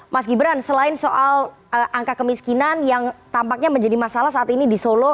mas gibran selain soal angka kemiskinan yang tampaknya menjadi masalah saat ini di solo